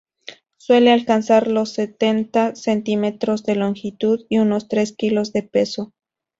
Suele alcanzar los sesenta centímetros de longitud y unos tres kilos de peso.